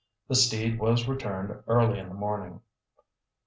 The steed was returned early in the morning.